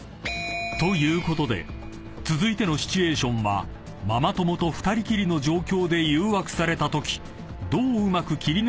［ということで続いてのシチュエーションはママ友と２人きりの状況で誘惑されたときどううまく切り抜けられるのか？というもの］